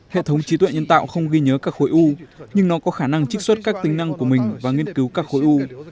hệ thống trí tuệ nhân tạo không ghi nhớ các khối u nhưng nó có khả năng trích xuất các tính năng của mình và nghiên cứu các khối u